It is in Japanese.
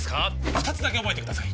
二つだけ覚えてください